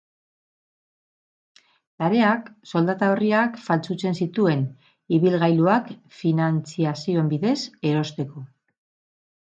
Sareak soldata-orriak faltsutzen zituen, ibilgailuak finatziazioen bidez erosteko.